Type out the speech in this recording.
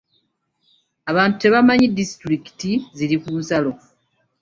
Abantu tebamanyi disitulikiti ziri ku nsalo.